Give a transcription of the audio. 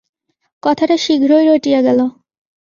কথাটা শীঘ্রই রটিয়া গেল।